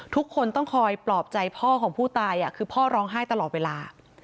ทุกคนต้องคอยปลอบใจพ่อของผู้ตายคือพ่อร้องไห้ตลอดเวลา